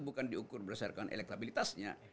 bukan diukur berdasarkan elektabilitasnya